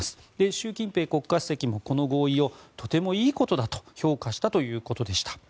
習近平国家主席もこの合意をとてもいいことだと評価したということでした。